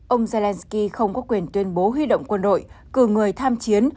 ông zelenskyy không có quyền tuyên bố huy động quân đội cử người tham chiến